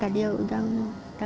dia sudah suka